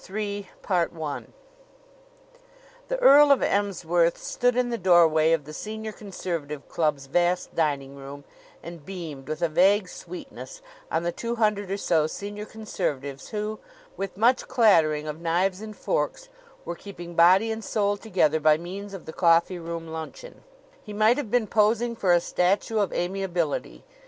CHAPTER III The Earl of Emsworth stood in the doorway of the Senior Conservative Club's vast diningroom, and beamed with a vague sweetness on the two hundred or so Senior Conservatives who, with much clattering of knives and forks, were keeping body and soul together by means of the coffee room luncheon. He might have been posing for a statue of Amiability.